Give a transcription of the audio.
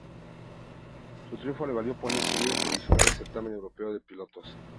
Su triunfo le valió ponerse líder provisional del certamen europeo de pilotos.